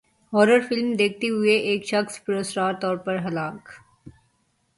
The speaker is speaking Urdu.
ہارر فلم دیکھتے ہوئے ایک شخص پراسرار طور پر ہلاک